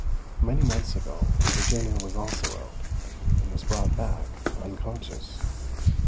Many months ago Virginia was also out, and was brought back, unconscious.